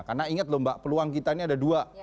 karena ingat lomba peluang kita ini ada dua